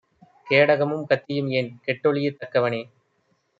கேடகமும் கத்தியும்ஏன்? கெட்டொழியத் தக்கவனே!